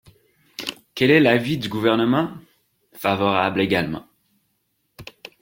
Quel est l’avis du Gouvernement ? Favorable également.